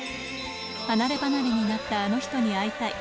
離れ離れになったあの人に会いたい。